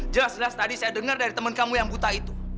jelas jelas tadi saya dengar dari teman kamu yang buta itu